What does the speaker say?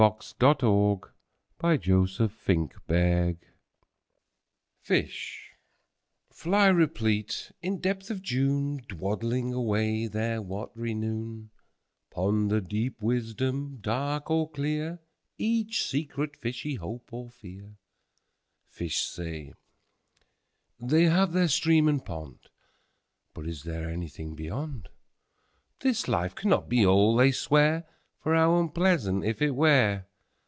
PR 6003 R4N5 Robarts Library 1Fish (fly replete, in depth of June,2Dawdling away their wat'ry noon)3Ponder deep wisdom, dark or clear,4Each secret fishy hope or fear.5Fish say, they have their Stream and Pond;6But is there anything Beyond?7This life cannot be All, they swear,8For how unpleasant, if it were!